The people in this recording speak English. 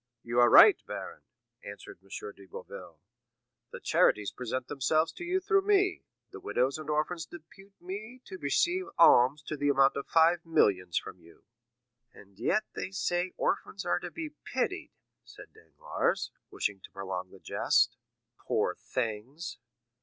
"You are right, baron," answered M. de Boville; "the charities present themselves to you through me; the widows and orphans depute me to receive alms to the amount of five millions from you." "And yet they say orphans are to be pitied," said Danglars, wishing to prolong the jest. "Poor things!"